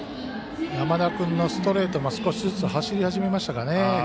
山田君のストレートも少しずつ走り始めましたかね。